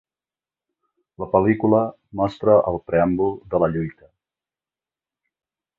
La pel·lícula mostra el preàmbul de la lluita.